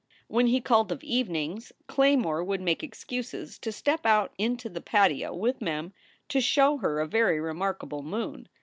When he called of evenings, Claymore would make excuses to step out into the patio with Mem to show her a very remarkable moon.